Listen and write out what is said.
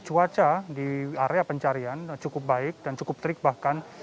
cuaca di area pencarian cukup baik dan cukup terik bahkan